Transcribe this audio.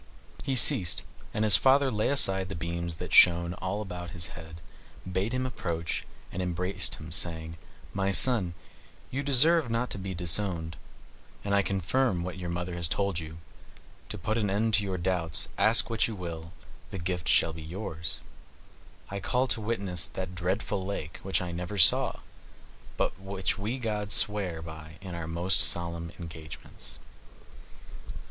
He ceased; and his father, laying aside the beams that shone all around his head, bade him approach, and embracing him, said, "My son, you deserve not to be disowned, and I confirm what your mother has told you. To put an end to your doubts, ask what you will, the gift shall be yours. I call to witness that dreadful lake, which I never saw, but which we gods swear by in our most solemn engagements."